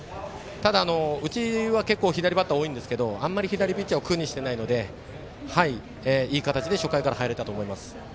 ただ、うちは左バッター多いんですがあんまり左ピッチャーを苦にしていないので、いい形で初回から入れたと思います。